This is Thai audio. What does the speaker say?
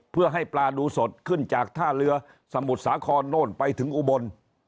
เพื่อให้ปลาดูสดขึ้นจากท่าเรือสมุทรสาครโน่นไปถึงอุบล